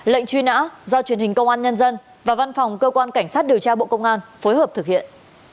lệnh truy nã do truyền hình công an nhân dân và văn phòng cơ quan cảnh sát điều tra bộ công an phối hợp thực hiện